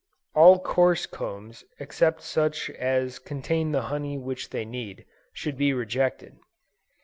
All coarse combs except such as contain the honey which they need, should be rejected.